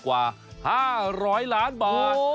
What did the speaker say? กว่า๕๐๐ล้านบาท